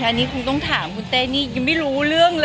อันนี้คงต้องถามคุณเต้นี่ยังไม่รู้เรื่องเลย